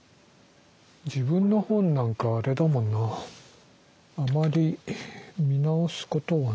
自分の本なんかあれだもんなあまり見直すことはないので。